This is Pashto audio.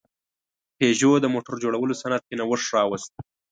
پيژو د موټر جوړولو صنعت کې نوښت راوست.